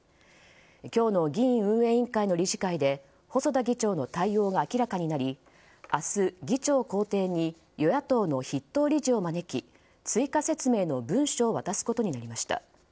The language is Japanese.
今日の議院運営委員会の理事会で細田議長の対応が明らかになり明日、議長公邸に与野党の筆頭理事を招き追加説明の文書を渡すことになりました。